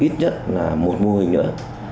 để tạo ra ít nhất là một mô hình nữa